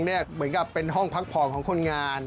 เหมือนกับเป็นห้องพักผ่อนของคนงาน